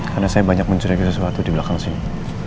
karena saya banyak mencurigai sesuatu di belakang sini